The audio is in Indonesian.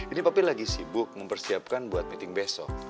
ini papa lagi sibuk mempersiapkan buat meeting besok